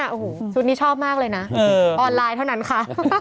โอ้โหชุดนี้ชอบมากเลยนะออนไลน์เท่านั้นค่ะ